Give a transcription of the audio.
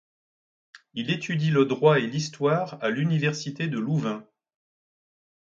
Il étudie le droit et l'histoire à l'université de Louvain.